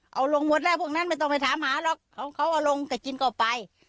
เอาลงหมดแล้วพวกนั้นไม่ต้องไปถามหาหรอกเขาเอาลงก็กินเข้าไป